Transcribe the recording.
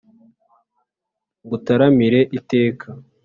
ngutaramire iteka